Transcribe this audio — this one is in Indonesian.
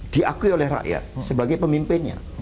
diakui oleh rakyat sebagai pemimpinnya